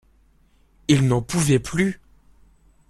Il n'en pouvait plus.